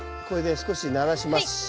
これで少しならします。